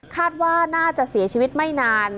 คาดว่าน่าจะเสียชีวิตไม่นาน